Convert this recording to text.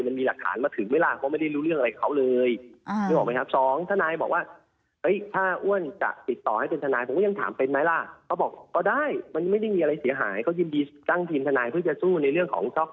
มันมีหลักฐานมาถึงไหมล่ะเพราะไม่ได้รู้เรื่องอะไรของเขาเลย